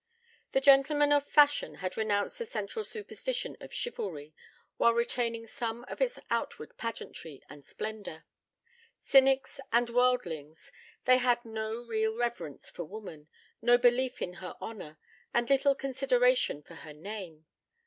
The gentlemen of fashion had renounced the central superstition of Chivalry, while retaining some of its outward pageantry and splendor. Cynics and worldlings, they had no real reverence for woman, no belief in her honor, and little consideration for her name.